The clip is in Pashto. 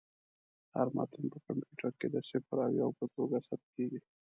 هر متن په کمپیوټر کې د صفر او یو په توګه ثبت کېږي.